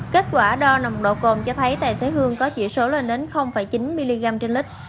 kết quả đo nồng độ cồn cho thấy tài xế hương có chỉ số lên đến chín mg trên lít